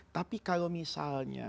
tapi kalau misalnya